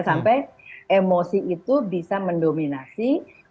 sampai emosi itu bisa mendominasi